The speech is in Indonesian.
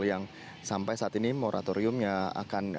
yang sampai saat ini moratoriumnya akan